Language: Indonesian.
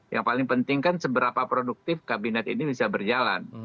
yang paling penting kan seberapa produktif kabinet ini bisa berjalan